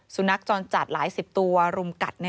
สุนัขจรจัดหลายสิบตัวรุมกัด